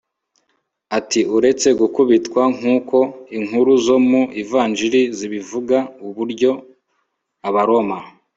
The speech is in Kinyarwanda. ati uretse gukubitwa nk uko inkuru zo mu ivanjiri zibivuga uburyo Abaroma